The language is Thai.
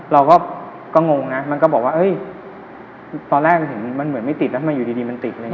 เราก็งงนะมันก็บอกว่าตอนแรกเหมือนมันไม่ติดแล้วทำไมอยู่ดีมันติด